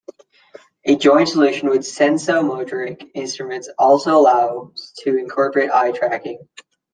A joint solution with SensoMotoric Instruments also allows to incorporate eye tracking.